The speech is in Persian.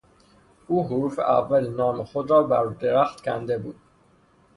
او حروف اول نام خود را بر درخت کنده بود.